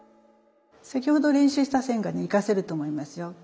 先ほど練習した線がね生かせると思いますよ。